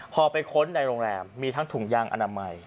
พอไปค้นในโรงแรมมีทั้งถุงยางอนามัย